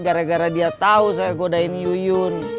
gara gara dia tahu saya godain yuyun